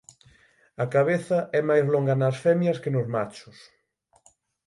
A cabeza é máis longa nas femias que nos machos.